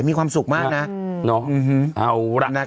พี่โอ๊คบอกว่าเขินถ้าต้องเป็นเจ้าภาพเนี่ยไม่ไปร่วมงานคนอื่นอะได้